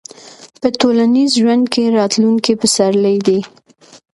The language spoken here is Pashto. په ټولنیز ژوند کې راتلونکي پسرلي دي.